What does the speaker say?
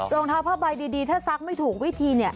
รองเท้าผ้าใบดีถ้าซักไม่ถูกวิธีเนี่ย